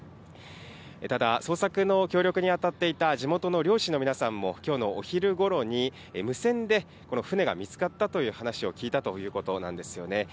ただ、捜索の協力に当たっていた地元の漁師の皆さんも、きょうのお昼ごろに無線でこの船が見つかったという話を聞いたということなんですよね。